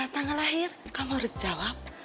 tanggal lahir kamu harus jawab